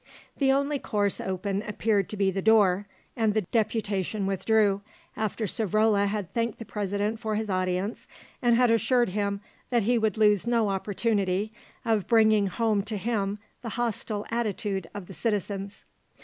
The only course open appeared to be the door, and the deputation withdrew, after Savrola had thanked the President for his audience and had assured him that he would lose no opportunity of bringing home to him the hostile attitude of the citizens.